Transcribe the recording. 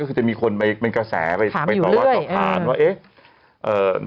ก็จะมีคนมีกระแสไปถามอยู่เรื่อย